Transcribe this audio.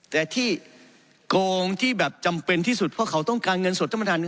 แต่ที่โกงที่แบบจำเป็นที่สุดเพราะเขาต้องการเงินสดท่านประธาน